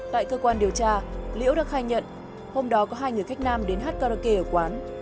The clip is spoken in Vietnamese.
tại cơ quan điều tra liễu đã khai nhận hôm đó có hai người khách nam đến hát karaoke ở quán